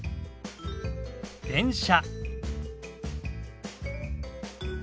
電車。